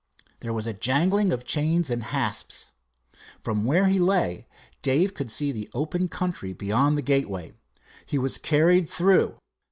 There was a jangling of chains and hasps. From where he lay Dave could see the open country beyond the gateway. He was carried through.